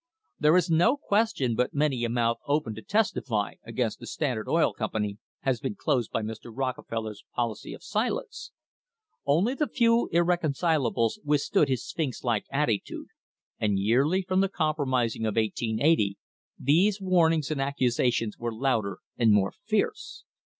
There is no question but many a mouth opened to testify against the Standard Oil Company has been closed by Mr. Rockefeller's policy of silence. Only the few irreconcilables withstood his sphinx like attitude, and yearly, from the com promising of 1880, these warnings and accusations were louder and more fierce.